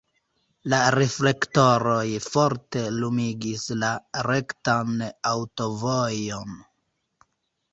La reflektoroj forte lumigis la rektan aŭtovojon.